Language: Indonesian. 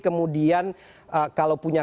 kemudian kalau punya